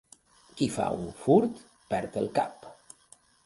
Qui fa un furt perd el cap.